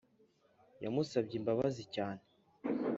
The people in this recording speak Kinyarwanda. Yamusabye imbabazi cyane